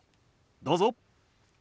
どうぞ。